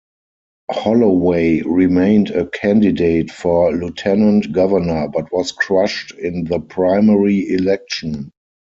Holloway remained a candidate for lieutenant governor but was crushed in the primary election.